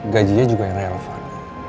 gajinya juga yang relevan